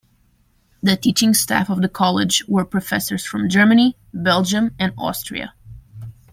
The teaching staff of the college were professors from Germany, Belgium and Austria.